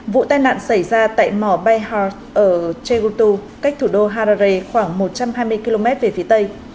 vụ tai nạn xảy ra tại mỏ bayhart ở chegutu cách thủ đô harare khoảng một trăm hai mươi km về phía tây